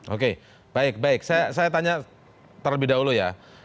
oke baik baik saya tanya terlebih dahulu ya